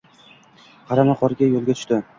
Qorama-qora yo‘lga tushdi.